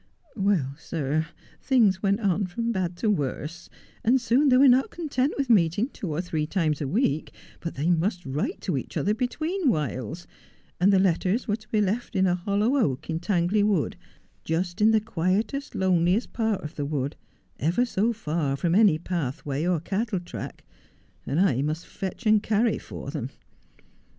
Well, sir, things went on from bad to worse ; and soon they were not content with meeting two or three times a week, but they must write to each other between whiles ■— and the letters were to be left in a hollow oak in Tangley Wood — just in the quietest, loneliest part of the wood, ever so far from any pathway or cattle track, and I must fetch and carry for them.